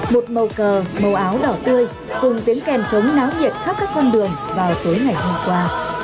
một màu cờ màu áo đỏ tươi cùng tiếng kèn chống náo nhiệt khắp các con đường vào tối ngày hôm qua